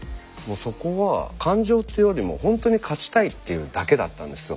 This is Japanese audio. そこは感情というよりも本当に勝ちたいっていうだけだったんですよ。